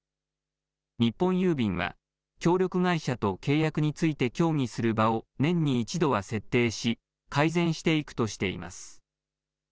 日本郵便は、協力会社と契約について協議する場を年に１度は設定し、改善していくとしています。